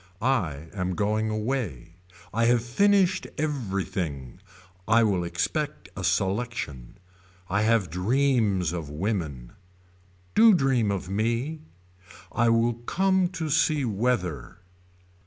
I am going away. I have finished everything. I will expect a selection. I have dreams of women. Do dream of me. I will come to see weather.